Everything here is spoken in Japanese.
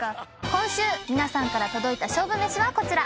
今週皆さんから届いた勝負めしはこちら。